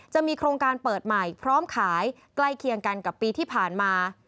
จะมีโครงการเปิดใหม่พร้อมขายใกล้เคียงกันกับปีที่ผ่านมา